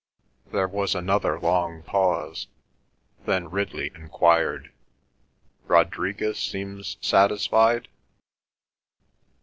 There was another long pause. Then Ridley enquired, "Rodriguez seems satisfied?"